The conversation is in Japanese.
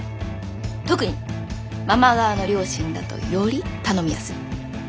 特にママ側の両親だとより頼みやすい。